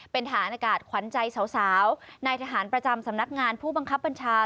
เป็นฐานอากาศขวัญใจสาวนายทหารประจำสำนักงานผู้บังคับบัญชา